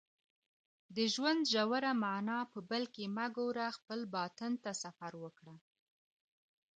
د ژوند ژوره معنا په بل کې مه ګوره خپل باطن ته سفر وکړه